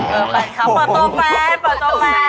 เออแฟนเค้าเปิดตรงแฟน